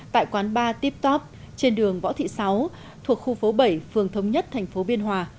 tại quán bar tip top trên đường võ thị sáu thuộc khu phố bảy phường thống nhất thành phố biên hòa